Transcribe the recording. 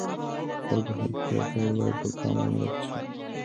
د خلکو حقیقي اړتیاوې باید پر پام ونیول شي.